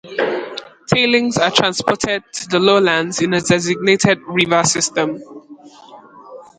Tailings are transported to the lowlands in a designated river system.